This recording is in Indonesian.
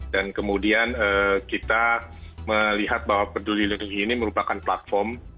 dan kemudian kita melihat bahwa peduli lindungi ini merupakan platform